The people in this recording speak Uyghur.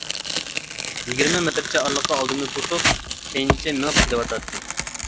يىگىرمە مېتىرچە ئارىلىققا ئالدىمنى توسۇپ، كەينىچە مېڭىپ كېلىۋاتاتتى.